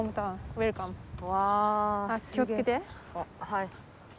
はい。